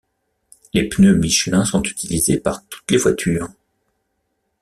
Les pneus Michelin sont utilisés par toutes les voitures.